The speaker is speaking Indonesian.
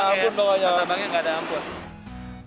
gak ada ampun kata bang ya kata bang ya gak ada ampun